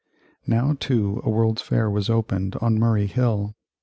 Now, too, a World's Fair was opened on Murray Hill.